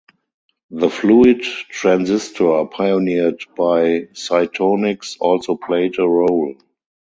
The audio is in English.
The "fluid transistor" pioneered by Cytonix also played a role.